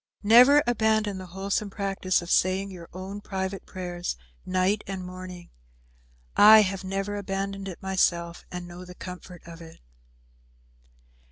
Never abandon the wholesome practice of saying your own private prayers, night and morning. I have never abandoned it myself, and I know the comfort of it."